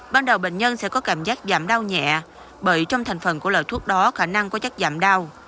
ban đầu bệnh nhân sẽ có cảm giác giảm đau nhẹ bởi trong thành phần của loại thuốc đó khả năng có chất giảm đau